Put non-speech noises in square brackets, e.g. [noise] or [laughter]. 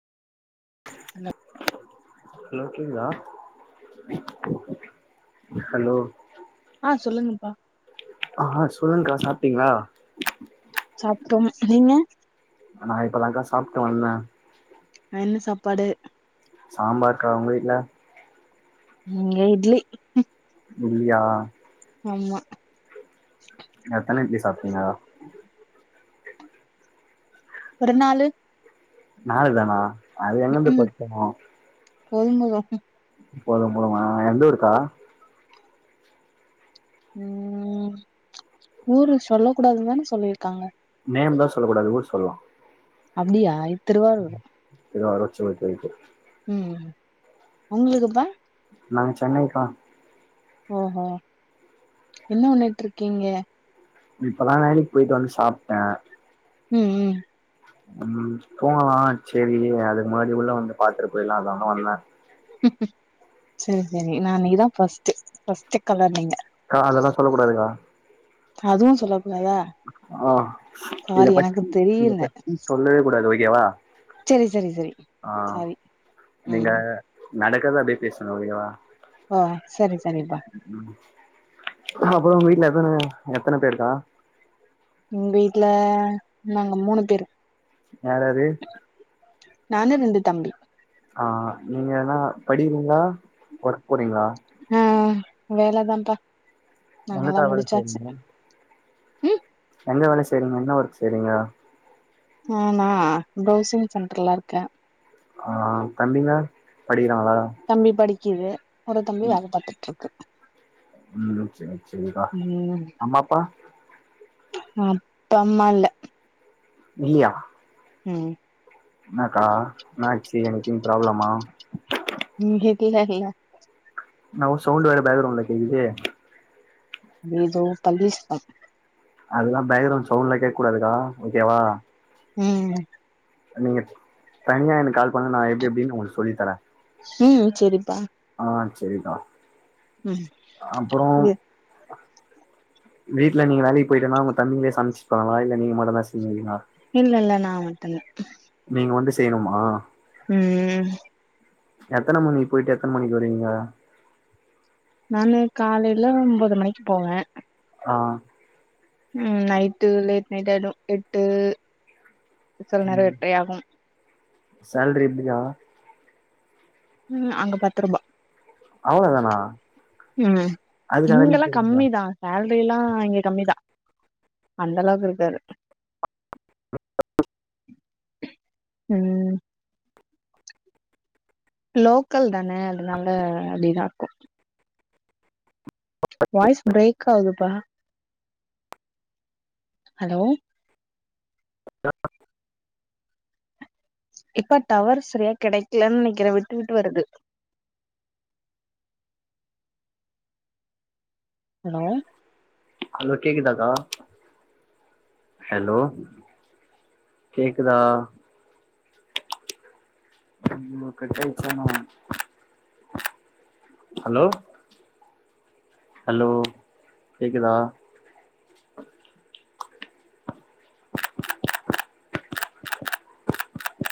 அண்ண ஹலோ இருக்கீங்களா ஹலோ ஆ சொல்லுங்கப்பா ஆ சொல்லுங்க்கா சாப்டீங்களா சாப்டோம் நீங்க நா இப்பதாக்கா சாப்ட்டு வந்த என்ன சாப்பாடு சாம்பார்க்கா உங்க வீட்ல இங்க இட்லி ம் இல்லியா அம்மா எத்தன இட்லி சாப்ட்டீங்க ஒரு நாலு நாலு தானா அது எங்கருந்து பத்து போதும் போதும் போதும் போதுமா எந்த ஊருக்கா ம் ஊரு சொல்ல கூடாதுன்னு தான சொல்லிருக்காங்க நேம் தா சொல்லக்கூடாது ஊரு சொல்லலா அப்டியா திருவாரூர் திருவாரூர் செரி ஓகே ஓகே ம் உங்களுக்குப்பா நாங்க சென்னைக்கா ஓஹோ என்ன பண்ணிட்ருக்கீங்க இப்பதா வேலைக்கு போயிட்டு வந்து சாப்ட்ட ம் ம் ம் தூங்கலா சரி அதுக்கு முன்னாடி உள்ள வந்து பாத்துட்டு போயிடலாம அதுதா வந்தே ம் ம் சரி சரி நா நீதா ஃபர்ஸ்ட்டு ஃபர்ஸ்ட்டு காலர் நீீங்க கா அதெல்லா சொல்ல கூடாதுக்கா அதுவு சொல்லக்கூடாதா ஆ இத சாரி எனக்கு பத்தி இத தெரியல பத்தி சொல்லவே கூடாது ஓகேவா சரி சரி சரி ஆ சாரி நீங்க ம் நடக்கறத அப்டியே பேசுங்க ஓகேவா ஆ சரி சரிப்பா அப்பறோ வீட்டுல எத்த எத்தனை பேருக்கா எங்க வீட்டல நாங்க மூணு பேரு யார் யாரு நானு ரெண்டு தம்பி ஆ நீங்கன்ன படிக்கிறாங்களா ஒர்க் போறீங்களா ஆ வேலதான்ப்பா நாங்கலா எங்கக்கா வேல முடிச்சாச்சு செய்றீங்க ம் எங்க வேலை செயிரிங்க என்ன ஒர்க் செயிரிங்க ஆ நா ப்ரௌசிங் சென்டர்லா இருக்க ஆ தம்பிங்க படிக்கிறாங்கலா இது ஒரு தம்பி வேல பர்த்துட்டுருக்கு ம் சரி சரிக்கா அம்மாப்பா அப்பம்மா இல்ல இல்லியா ம் என்னாக்கா என்னாச்சு எனிதிங் ப்ராப்ளமா. இங்க கேக்காதீங்க நவ் சவுண்ட் வேற பேக்ரவுண்ட்ல கே்குதே அது இது பல்விஸ்தம் அதெல்லா பேக்கரவுண்ட் சவுண்ட்லா கேக்கூடதுக்கா ஓகேவா ம் நீங்க தனியா எனக்கு கால் பண்ணுங்க நான எப்படி எப்படின்னு உங்களுக்கு சொல்லி தரே ம் சரிப்பா ஆ சரிகா ம் இது வீட்ல நீங்க வேலைக்கு போயிட்டன்னா உங்க தம்பிங்க சமைச்சுபாங்களா இல்ல நீங்க மட் தா செய்விங்கீங்களா இல்ல இல்ல நா மட்டுந்தா நீங்க வந்து செய்யணுமா ம் ம் எத்தனை மணிக்கு போயிட்டு எத்தனை மணிக்கு வருவிங்க விடியக் காலையில ஒன்பது மணிக்கு போவே ஆ ம் நைட்டு லேட் நைட் ஆயிடு எட்டு சிலநேர ம் ஏற்றையாகு சேல்ரி எப்டிக்கா ம் அங்க பத்து ரூபா அவளதானா ம் இிங்கல்லா போறீங்களா கம்மிதா சேலரில்லா இங்க கம்மிதா அந்தளவுக்கு இருக்காது [inaudible] ம் லோக்கல் தான அதனால அப்படிதா இருக்கு வாய்ஸ் பிரேக் ஆதுபா அலோ [inaudible] இப்பா டவர் சரியா கெடைக்கலன் நெனைக்கிற விட்டு விட்டு வருது அ அலோ ஹலோ கேக்குதாக்கா ஹலோ கேக்குதா ம் கட்டியாச்சாண்ணா ஹலோ ஹலோ கேக்குதா